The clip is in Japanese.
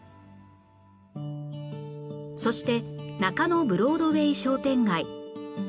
そして中野ブロードウェイ商店街